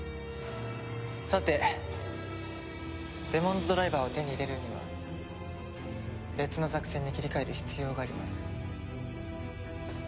さてデモンズドライバーを手に入れるには別の作戦に切り替える必要があります。